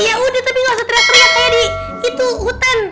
ya udah tapi gak usah teriak teriak kayak di hutan